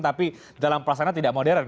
tapi dalam pelaksanaan tidak modern